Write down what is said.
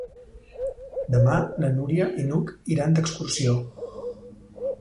Demà na Núria i n'Hug iran d'excursió.